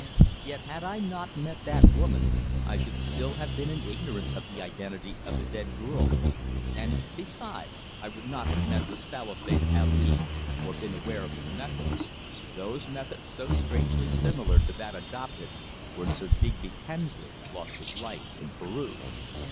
Yet had I not met that woman I should still have been in ignorance of the identity of the dead girl, and, besides, I would not have met the sallow faced Ali, or been aware of his methods those methods so strangely similar to that adopted when Sir Digby Kemsley lost his life in Peru.